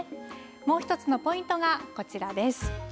もう一つのポイントがこちらです。